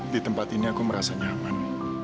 di tempat ini aku merasa nyaman